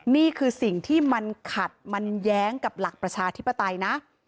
นี่คือสิ่งที่มันขัดมันแย้งกับหลักประชาธิปไตยนะ